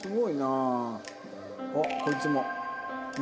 あっこいつも。